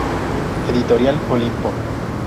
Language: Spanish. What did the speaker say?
Editorial Olimpo.